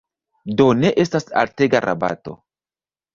Do ne estas altega rabato.